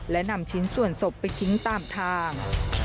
และนำชิ้นส่วนศพไปทิ้งตามทาง